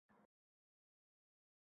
Arshda tik turib.